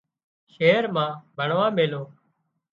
شهر مان ڀڻوا ميليو